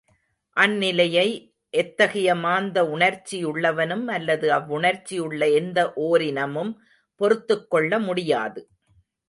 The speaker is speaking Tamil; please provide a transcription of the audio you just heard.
அந்நிலையை எத்தகைய மாந்த உணர்ச்சியுள்ளவனும் அல்லது அவ்வுணர்ச்சியுள்ள எந்த ஓரினமும் பொறுத்துக் கொள்ள முடியாது.